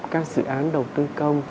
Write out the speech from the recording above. các dự án đầu tư công